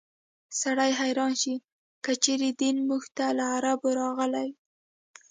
سړی حیران شي که چېرې دین موږ ته له عربو راغلی وي.